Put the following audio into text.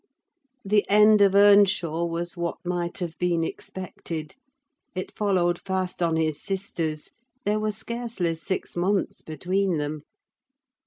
The end of Earnshaw was what might have been expected; it followed fast on his sister's: there were scarcely six months between them.